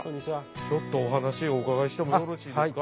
ちょっとお話お伺いしてもよろしいですか？